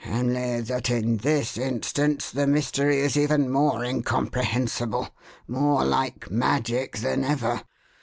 Only that in this instance the mystery is even more incomprehensible, more like 'magic' than ever.